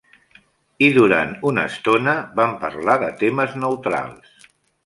I durant una estona vam parlar de temes neutrals.